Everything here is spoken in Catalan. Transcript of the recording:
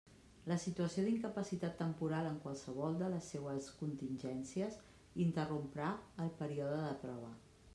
La situació d'incapacitat temporal en qualsevol de les seues contingències interromprà el període de prova.